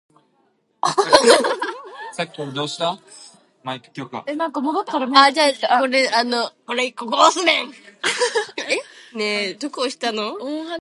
He also had one four wheeled carriage.